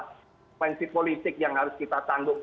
konsekuensi politik yang harus kita tanggung